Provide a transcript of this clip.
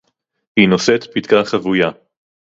הִיא נוֹשֵׂאת פִּתְקָה חֲבוּיָה